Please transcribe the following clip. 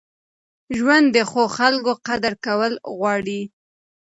ژوند د ښو خلکو قدر کول غواړي.